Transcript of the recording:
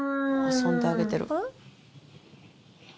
遊んであげてる。